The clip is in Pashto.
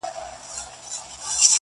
مخ په مړوند کله پټیږي-